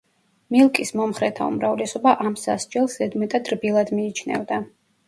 მილკის მომხრეთა უმრავლესობა ამ სასჯელს ზედმეტად რბილად მიიჩნევდა.